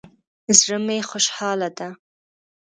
زړه می خوشحاله ده